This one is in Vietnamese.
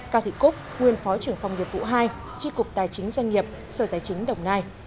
cao thị cúc nguyên phó trưởng phòng nghiệp vụ hai tri cục tài chính doanh nghiệp sở tài chính đồng nai